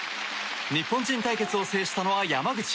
日本人対決を制したのは山口。